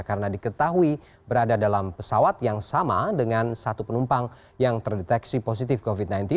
karena diketahui berada dalam pesawat yang sama dengan satu penumpang yang terdeteksi positif covid sembilan belas